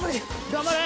頑張れ！